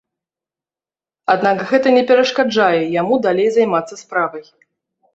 Аднак гэта не перашкаджае яму далей займацца справай.